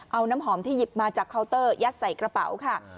เอาน้ำหอมที่หยิบมาจากเคาน์เตอร์ยัดใส่กระเป๋าค่ะ